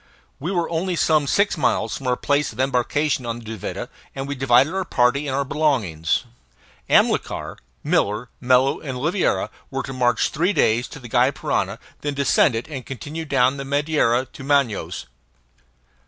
We were only some six miles from our place of embarkation on the Duvida, and we divided our party and our belongings. Amilcar, Miller, Mello, and Oliveira were to march three days to the Gy Parana, and then descend it, and continue down the Madeira to Manaos.